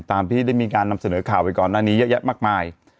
ตามที่ได้มีการนำเสนอข่าวไปก่อนหน้านี้เยอะแยะมากมาย